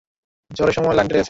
ঝড়ের সময় লাইন কেটে গেছে।